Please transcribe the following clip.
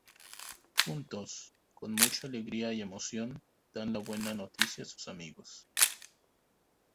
Juntos, con mucha alegría y emoción, dan la buena noticia a aus amigos.